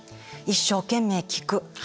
一生懸命聞く。